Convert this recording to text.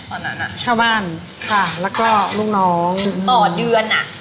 ตอนนั้นชาวบ้านค่ะแล้วก็ลูกน้องต่อเดือนอ่ะ